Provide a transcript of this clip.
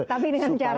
tapi dengan cara